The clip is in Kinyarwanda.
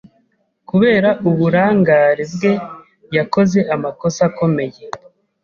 Kubera uburangare bwe, yakoze amakosa akomeye.